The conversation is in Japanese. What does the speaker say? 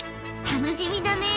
楽しみだね！